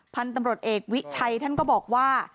พันธุ์ตำรวจเอกวิชัยท่านก็บอกว่า